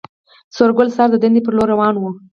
سورګل سهار د دندې پر لور روان و